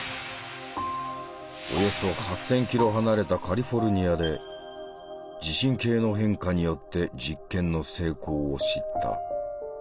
およそ８，０００キロ離れたカリフォルニアで地震計の変化によって実験の成功を知った。